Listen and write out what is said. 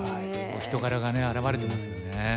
お人柄がね表れてますよね。